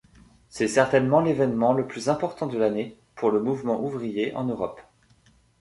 C’est certainement l’événement le plus important de l’année pour le mouvement ouvrier en Europe.